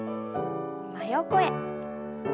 真横へ。